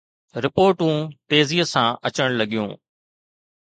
رپورٽون تيزيءَ سان اچڻ لڳيون.